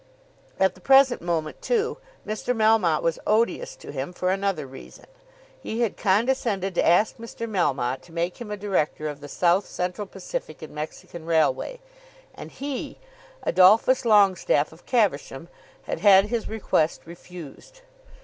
At the present moment, too, Mr. Melmotte was odious to him for another reason. He had condescended to ask Mr. Melmotte to make him a director of the South Central Pacific and Mexican Railway, and he, Adolphus Longestaffe of Caversham, had had his request refused!